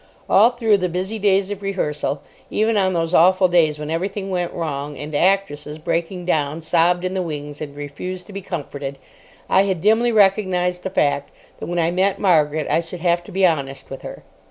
All through the busy days of rehearsal, even on those awful days when everything went wrong and actresses, breaking down, sobbed in the wings and refused to be comforted, I had dimly recognised the fact that when I met Margaret I should have to be honest with her.